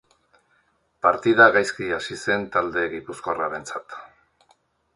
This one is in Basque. Partida gaizki hasi zen talde gipuzkoarrarentzat.